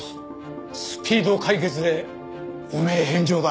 スピード解決で汚名返上だ。